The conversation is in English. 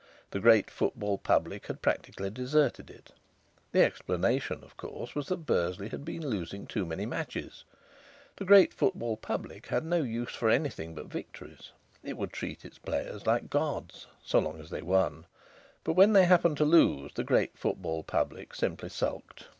The great football public had practically deserted it. The explanation, of course, was that Bursley had been losing too many matches. The great football public had no use for anything but victories. It would treat its players like gods so long as they won. But when they happened to lose, the great football public simply sulked.